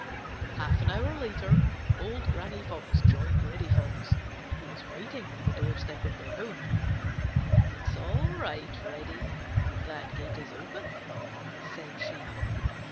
Half an hour later old Granny Fox joined Reddy Fox, who was waiting on the doorstep of their home. "It is all right, Reddy; that gate is open," said she.